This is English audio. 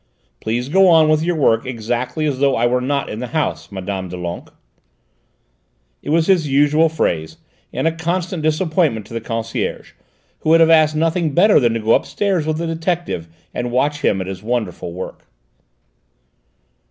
Please go on with your work exactly as though I were not in the house, Mme. Doulenques." It was his usual phrase, and a constant disappointment to the concierge, who would have asked nothing better than to go upstairs with the detective and watch him at his wonderful work.